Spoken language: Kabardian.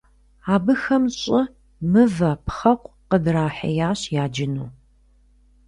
Абыхэм щӀы, мывэ, пхъэкъу къыдрахьеящ яджыну.